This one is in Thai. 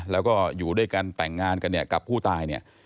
แล้วก็อยู่ด้วยกันแต่งงานกันเนี่ยกับผู้ตายเนี่ย